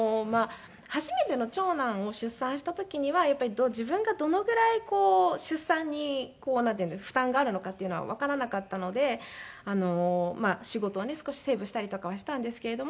初めての長男を出産した時にはやっぱり自分がどのぐらい出産に負担があるのかっていうのはわからなかったので仕事はね少しセーブしたりとかはしたんですけれども。